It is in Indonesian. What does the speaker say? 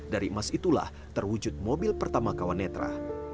dari emas itulah terwujud mobil pertama kawan netra